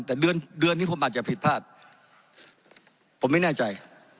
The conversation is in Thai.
แต่เดือนเดือนนี้ผมอาจจะผิดพลาดผมไม่แน่ใจ